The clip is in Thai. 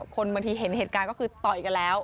คนบางทีเห็นเหตุการณ์ก็คือต่อยกันแล้ว